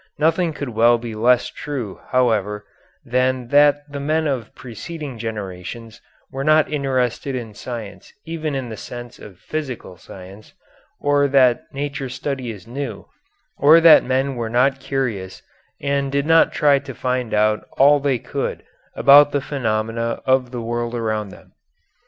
Nothing could well be less true, however, than that the men of preceding generations were not interested in science even in the sense of physical science, or that nature study is new, or that men were not curious and did not try to find out all they could about the phenomena of the world around them.